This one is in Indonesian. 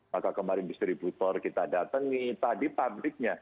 maka kemarin distributor kita datangi tadi pabriknya